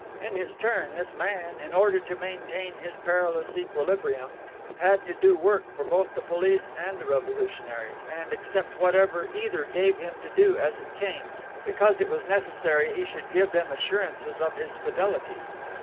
In his turn, this man, in order to maintain his perilous equilibrium, had to do work for both the police and the revolutionaries, and accept whatever either gave him to do as it came, because it was necessary he should give them assurances of his fidelity.